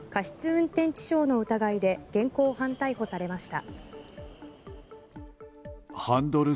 運転致傷の疑いで現行犯逮捕されました。